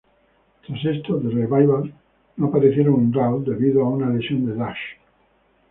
Tras esto, The Revival no apareció en Raw debido a una lesión de Dash.